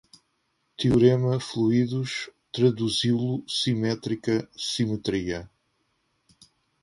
Teorema, fluidos, traduzi-lo, simétrica, simetria